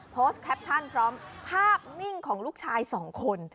แคปชั่นพร้อมภาพนิ่งของลูกชายสองคน